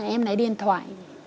em lấy điện thoại